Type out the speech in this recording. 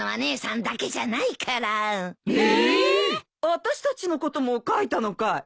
私たちのことも書いたのかい。